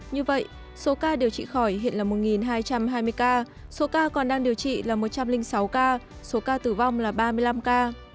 như vậy số ca điều trị khỏi hiện là một hai trăm hai mươi ca số ca còn đang điều trị là một trăm linh sáu ca số ca tử vong là ba mươi năm ca